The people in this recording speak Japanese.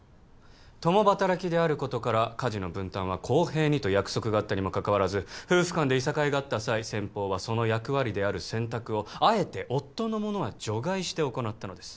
共働きであることから家事の分担は「公平に」と約束があったにもかかわらず夫婦間でいさかいがあった際先方はその役割である洗濯をあえて夫のものは除外して行ったのです